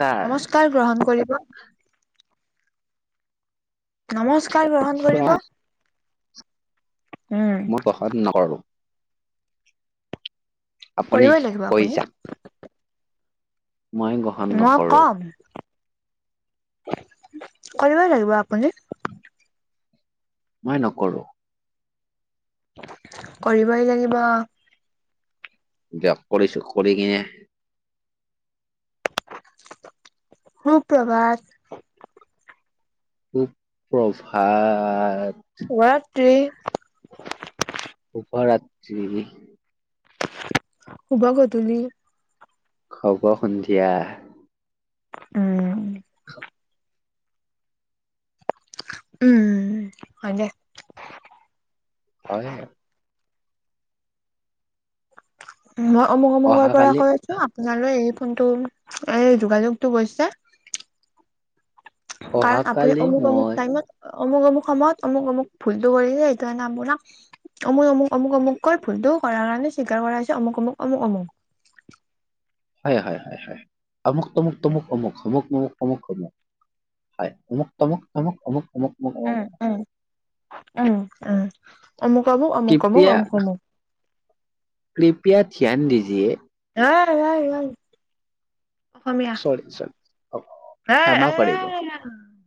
কাৰ নমস্কাৰ গ্ৰহণ কৰিব। নমস্ কাৰ গ্ৰহণ কৰিব। উম মই [unintelligible] নকৰো। আপুনি কৰিবই লাগিব কৈ আপুনি। যাক মই গ্ৰহণ মই নকৰোঁ। কম কৰিবই লাগিব আপুনি। মই নকৰোঁ। কৰিবই লাগিব। দিয়ক কৰিছো কৰি কিনে সুপ্ৰভাত। সু প্ৰভাত। শুভৰাত্ৰি। শুভৰাত্ৰি। শুভ গধূলি। শুভ সন্ধিয়া। উম। [inaudible] উম, হয়দে। হয়ে। মই অমুক অমুকৰৰ পৰা অহাকালি কৈ আছো, আপোনালৈ এই ফোনটো এই যোগাযোগটো গৈছে। কাৰণ আপুনি অহাকালি অমুক-অমুক মই টাইমত অমুক -অমুক সময়ত অমুক-অমুক ভুলটো কৰিছে, সেইটো কাৰণে আপৰা অমুক- অমুক অমুক অমুকৈ ভুলটো কৰাৰ কাৰণে স্বীকাৰ কৰা হৈছে অমুক অমুক-অমুক - অমুক। হয় হয়- হয়-হয়। অমুক তমুক- তমুক অমুক অমুক-অমুক অমুক হয় অমুক তমুক। তমোক অমোক। উম [unintelligible] উম। অমুক আমুক- অমুক-আমুক-আমুক- আমুক। কৃপয়া ধ্যান দিজিয়ে। হয়, হয় ইমান। চৰি, চৰি অ' ক্ষমা কৰিব,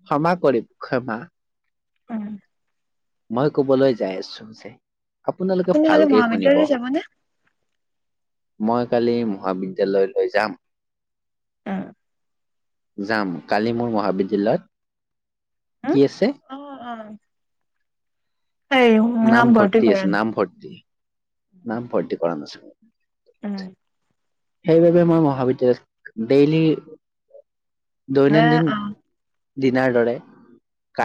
ক্ষমা কৰিব। ক্ষেমা। অ'। মই কবলৈ যাই আছো যে। আপোনালোকে আপুনি কাইলৈ ভালকে শুনিব মহাবিদ্যালয়লৈ যাবনে? মই কালি মহাবিদ্যালয়লৈ যাম। অ'। যাম কালি আমাৰ মহাবিদ্যালয়ত। কি আছে? অ' সেই নাম নামভৰ্তি ভৰ্তি আছে, কৰিম নাম ভৰ্তি, নামভৰ্তি। পান আছে। উ'ম। সেইবাবে মই মহাবিদ্যালয়ত ডেইলি এ দৈনন্দিন। অ' দিনাৰ দৰে।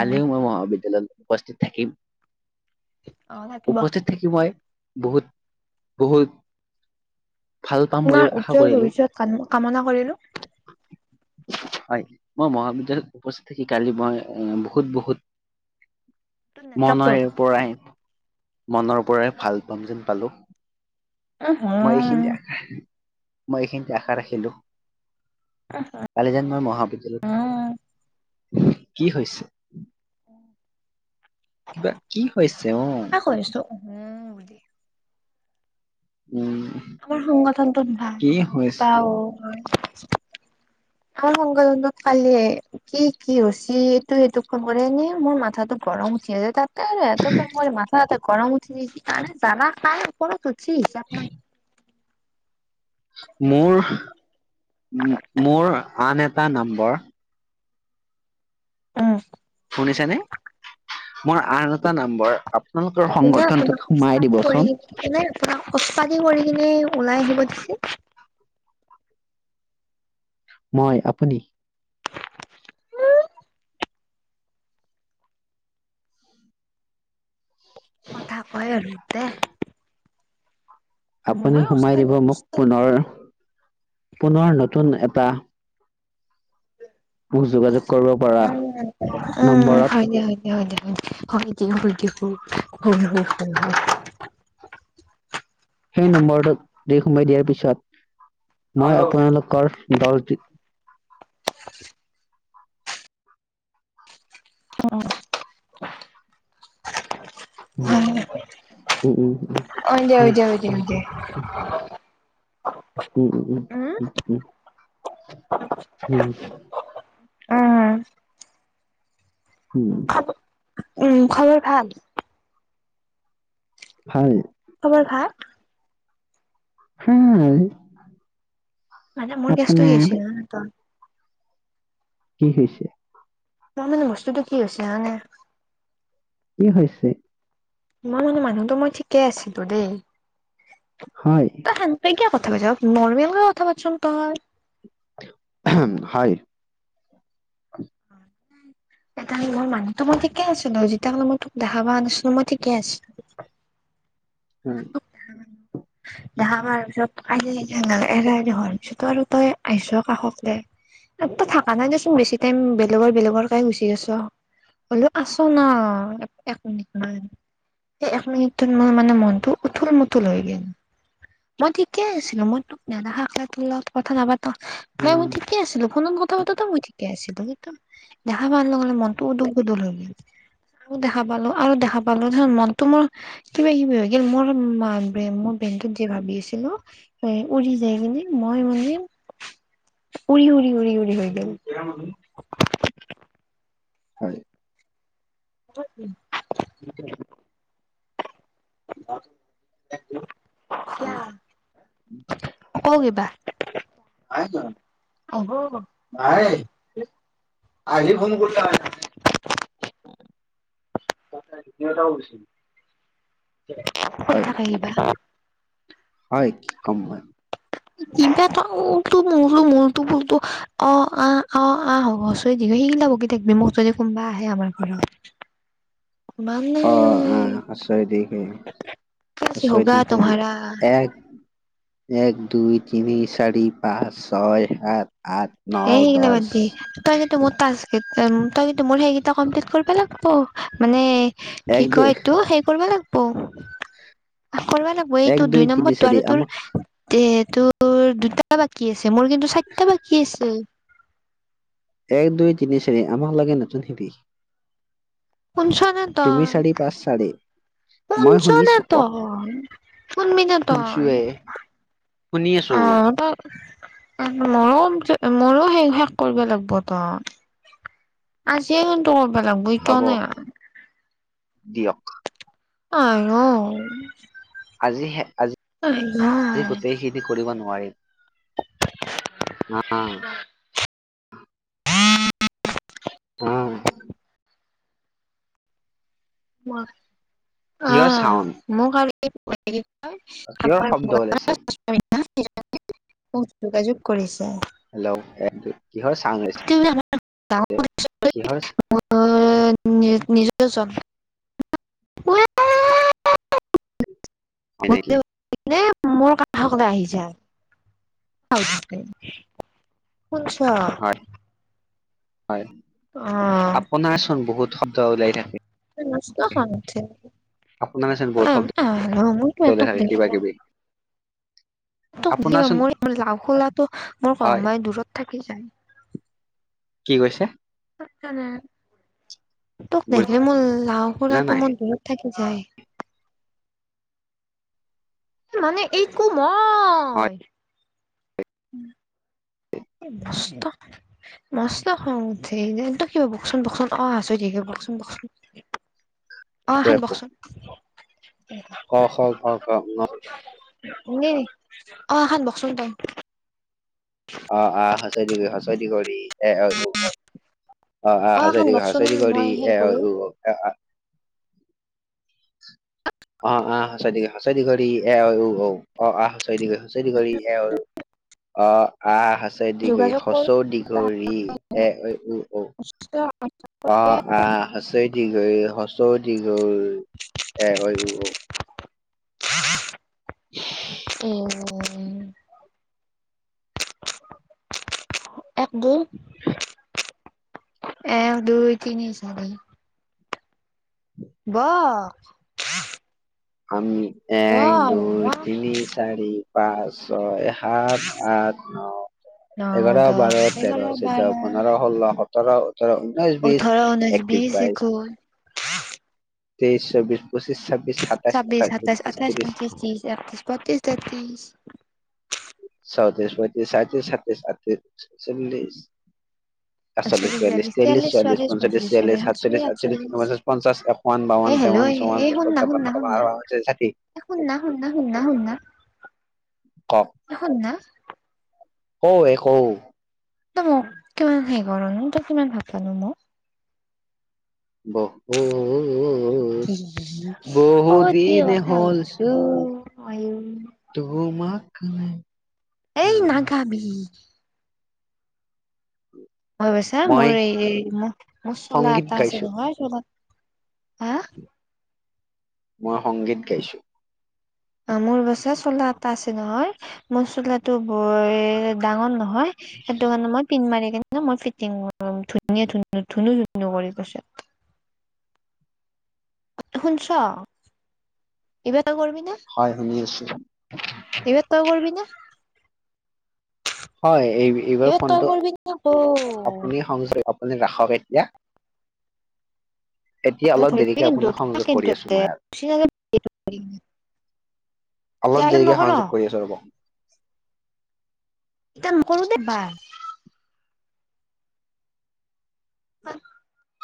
উম মই মহাবিদ্যালয় উপস্থিত থাকিম। অ' থাকিব উপস্থিত থাকি মই। বহুত, বহুত। ভাল পাম বুলি আপোনাৰ আশা উজ্জ্বল কৰিলো ভৱিষ্যত কামনা কৰিলো। হয়, মই মহাবিদ্যালয়ত উপস্থিত থাকি। কালি মই বহুত, বহুত। তোৰ নেটৱৰ্কটো মনৰ পৰাই। মনৰ পৰাই ভাল পাম যেন পালোঁ। অ' হা। মই এইখিনি আশা ৰাখিলোঁ। কালি যেন মই উম মহাবিদ্যালয়ত কি হৈছে? কিবা কি হৈছে ও‌ঁ? তাকে কৈ আছো উহু বুলি উম আমাৰ সংগঠনটোত ভাল কি হৈছে পাওঁ। হয়। আমাৰ সংগঠনত কালি কি কি হৈ হৈছে? এইটো সেইটোক ফোন কৰি এনেই মোৰ মাথাতো গৰম উঠি আছে তাত। এই এহেতে ফোন কৰি মাথা চাথা গৰম উঠি গৈছি। জালা খাই উঠি ঠিক হিচাপ নাই। মোৰ। উ মোৰ। আন এটা নম্বৰ উম। শুনিছা নে? মোৰ আন এটা নাম্বৰ কোনে আপোনাক ওস্তাদি কৰি কোনে আপোনাক ওস্তাদি কৰি [unintelligible] নে ওলাই আহিব দিছে। মই আপুনি কথা কয় আৰু [unintelligible] আপুনি মইয়ে সোমাই উস্তাদি দিব মোক উস্তাদি পুনৰ পুনৰ নতুন এটা। মোক যোগাযোগ কৰিব পাৰা উম উম। নম্বৰত। [unintelligible] হয় হয়। [unintelligible] সেই নম্বৰটো [unintelligible] সোমাই দিয়াৰ পিছত মই আপোনালোকৰ দলটিক [inaudible] উম। উম উম উম উম হয় দে হয় দে। উম উম উ উম উম উম উম উম উম। উম। উম। খব উম খবৰ ভাল। ভাল। খবৰ ভাল। হয়। মানে মোৰ কেছটো [unintelligible] কি হৈছে? তাৰ মানে বস্তুটো কি হৈছে মানে কি হৈছে? ইমান [unintelligible] মানুহতো মই ঠিকেই আছিলো দেই। [unintelligible] হয় নৰ্মেল কে কথা পাতচোন তই। হয়। [unintelligible] মই মানুহো মই ঠিকে আছিলো [unintelligible] মই তোক দেখা পোৱা আনিছিলো মই ঠিকে আছিলো। হয়। [unintelligible] মই ঠিকেই আছিলো মই তোক নেদেখাকে তো লগত কথা নাপা প্ৰায় উম মই ঠিকে আছিলো ফোনত কথা পাতোতেও মই ঠিকে আছিলো। দেখা পোৱাৰ লগে লগে মনটো উদুৰ-পুদুৰ হৈ গল আৰু দেখা পালো আৰু দেখা পালো ধ মনতটো মোৰ কিবা কিবি হৈ গ'ল মোৰ ব্ৰেণ টো যে ভাবি আছিলো এ উৰি যাই কিনে মই মানে উৰি-উৰি-উৰি-উৰি হৈ গল। হয় [inaudible] উম-উম। ক কিবা? তাতে ডি টি ও তাও গিছিল। কৈ হয় থাকে কিবা । হয় কি কম মই। কিবাটো উলটো মুলু মলটো পুলটো অ-অ-অ-অ হৰচৈ দিৰঘৈ সেইগিলা বকি থাকবি মোক যদি কোনোবা আহে আমাৰ ঘৰত । অ-আ হৰচৈ দিৰঘৈ কি হৰচৈ হোগা দিৰঘৈ ঋ তুমাৰা এ এক দুই তিনি চাৰি পাঁচ ছয় সাত। আঠ ন এ হেগিলা দহ বাত দি, তই মোৰ তাস্ত উম তাইটো মোৰ সেইকেইটা কমপ্লিট কৰিবা লাগবো মানে কি এক দুই কয় ইটো সেই কৰবা লাগ প কৰবা লাগব এক এইটো দুই তিনি নম্বৰটো চাৰি আৰু তোৰ আমাক দেত তোৰ দুটা বাকী আছে । মোৰ কিন্তু চাইতা বাজ চেই এক দুই তিনি চাৰি আমাক লাগে নতুন সিপি। শুনছনে তই। চাৰি মই শুনছোনো শুনিছো কক তই শুনবিনো তই শুনছোৱে শুনি অ আছো তই, ময়ো কম যে মোৰো শে শেষ কৰিব লাগবটো ।আজিয়ে কিন্তু ক বা লাগবো ইটাও হ'ব নাই দিয়ক । আয়ো আজিহে আজি-আজি গোটেইখিনি কৰিব নোৱাৰিম অ-অ। অ উম ৱা । জিঅ' চাউণ্ড । এক [unintelligible] কিহৰ শব্দ ওলাইছে? [unintelligible] মোক যোগাযোগ কৰিছে। হেল্ল' [unintelligible] কিহৰ চাউণ্ড ওলাইছে? উম কিহৰ দাৱত। [unintelligible] অ নি নিজৰে চব। উ [unintelligible] হয়ে মোৰ কাষলে আহি যা শুনছ হয় [unintelligible] হয় অহ আপোনাৰচোন বহুত শব্দ ত ওলাই থাকে মচট খান উঠে আপোনাৰ চোন বহুত শব্দ ওলাই থাকে কিবা কিবি [unintelligible] আপোনাৰ চোন মোৰ লাও খোলাটো মোৰ হয় কাই দূৰত থাকি যায় কি কৈছে তোক দেখে মোৰ লাও বুজা খুৰাটো নাই মোৰ দূৰত থাকে যাই মানে এই হয় কোমই উম [unintelligible] মস্ত খ উঠি ত কিবা বকচোন বকচোন অ আচাকে বকচোন বকচোন অ একো খান একো ককচোন [unintelligible] ক খ ঘ গ ন এনে অ এখনাত বকচোন তাইম অ আ হস্ৰ [unintelligible] এ ৱৈ অ এখন বকচোন ও মই সেই কৰো উ [unintelligible] [unintelligible] যোগাযোগ কৰো [unintelligible] অ আহ হচৈ দিঘই হচৌ দিঘ উ এ ৱৈ উ অ ঔঁ হা হা উ উম এক দু ই এ দুইতিনি চাৰি বহ। আমি এক, দুই, তিনি, চাৰি। পাঁচ, ছয় সাত, আঠ, ন, ন এঘাৰ, দহ বাৰ, তেৰ, এঘাৰ বাৰ চৈধ্য, পোন্ধৰ, ষোল্ল, সোতৰ [unintelligible] উঠল, ঊনৈশ বিশ, ওঠৰ ঊনৈশ একৈশ বিশ বাইশ। একৈশ তেইশ, চৌবিশ, পঁচিছ, ছাব্বিছ। ছাব্বিশ, শাতাইশ, আঠাইছ, উনত্ৰিশ, ত্ৰিশ, একত্ৰিশ, বত্ৰিশ, তেত্ৰিশ। চৌত্ৰিশ, পঁইত্ৰিশ, ছাইত্ৰিশ, সাতত্ৰিছ, আঠত্ৰিশ, চল্লিছ । একচল্লিছ, বিয়াল্লিশ, বিয়াল্লিছ, তিয়াল্লিছ, চৱাল্লিছ, চুৱাল্লিছ, পঞ্চল্লিছ, ছিয়ল্লিছ, ছয়ল্লিছ, সাতচল্লিশ, সাতচল্লিছ, আঠচল্লিশ, আঠচল্লিছ উনপঞ্চাছ, পঞ্চাশ। একাৱন, এ বাৱন, হেল্ল' তেৱন্ন, চৌৱন্ন, এই পচপন, শুননা ছাপৱন্ন, শুননা সাতাৱন্ন, শুননা আঠাৱন্ন, ঊনষাঠি, ষাঠি। এ শুননা শুননা শুননা শুননা এ শুননা কও এ কও। তই মোক কিমান হেৰি কৰা নো তই কিমান ভাল পোৱানো মোক। বহুত বহু কৰ কি দিন কথা হ'ল হুদচো। আইও। [unintelligible] এই নাগাবি। মই বাছা মই মোৰ এই মোৰ মোৰ চোলা সংগীত এটা আছে গাইছো নহয় চোলাত মই সংগীত গাইছো। অ' মোৰ বাচা চোলা এটা আছে নহয় মোৰ চোলা টো বৰ ডাঙৰ নহয় হয় সেইটো কাৰণে মই পিন মাৰি কিন্তু মই ফিটিং ধুনীয়া ধুনু ধুনু কৰি লৈছে। শুনছ, ইবাৰ কৰবি না হয় শুনি আছো এইবাৰ তই কৰবি না। হয় এই এইবাৰ তই ফোনটো কৰিবি না আকৌ আপুনি সংজয় আপুনি ৰাখক হক এতিয়া এতিয়া অলপ ধৰিবি দেৰিকে কিন্তু আপোনাক সংযোগ কিন্তু কৰি আছো মই আৰু অলপ দেৰিকে নকৰ সংযোগ কৰি আছো ৰব। এতিয়া নকৰো দে বা [inaudible]